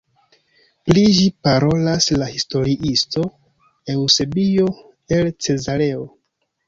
Pri ĝi parolas la historiisto Eŭsebio el Cezareo.